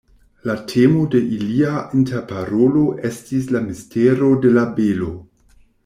La temo de ilia interparolo estis la mistero de la belo.